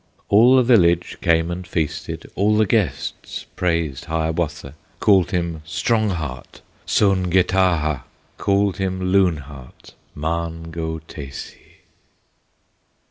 All the village came and feasted, All the guests praised Hiawatha, Called him Strong Heart, Soan ge taha! Called him Loon Heart, Mahn go taysee!